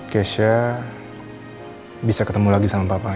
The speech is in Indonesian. keisha bisa ketemu lagi sama papanya